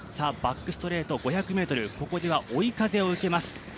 バックストレート５００ｍ、ここは追い風を受けます。